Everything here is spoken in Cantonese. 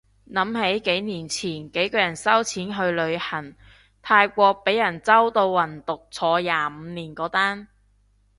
諗起幾年前幾個人收錢去旅行，泰國被人周到運毒坐廿五年嗰單